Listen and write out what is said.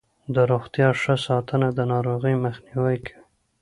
د روغتیا ښه ساتنه د ناروغیو مخنیوی کوي.